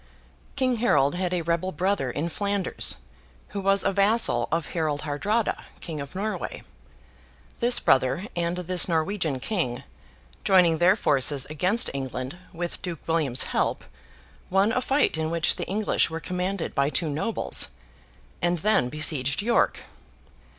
King Harold had a rebel brother in Flanders, who was a vassal of Harold Hardrada, King of Norway. This brother, and this Norwegian King, joining their forces against England, with Duke William's help, won a fight in which the English were commanded by two nobles; and then besieged York.